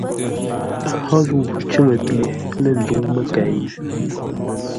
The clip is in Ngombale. Hó zə̂u cʉ́ŋə pye lə̂ nzə́u məkei?